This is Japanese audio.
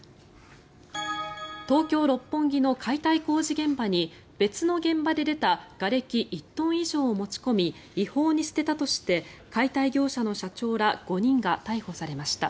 東京・六本木の解体工事現場に別の現場で出たがれき１トン以上を持ち込み違法に捨てたとして解体業者の社長ら５人が逮捕されました。